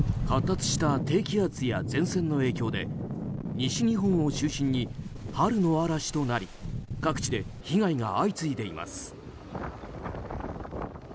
発達した低気圧や前線の影響で西日本を中心に、春の嵐となり各地で被害が相次いでいます。